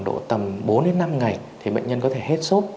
độ tầm bốn đến năm ngày thì bệnh nhân có thể hết sốt